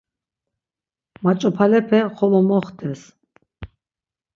Maç̌opalepe xolo moxtes.